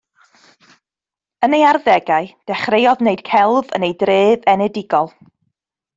Yn ei arddegau dechreuodd wneud celf yn ei dref enedigol